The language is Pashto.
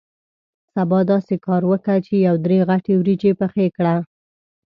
سبا داسې کار وکه چې یو درې غټې وریجې پخې کړې.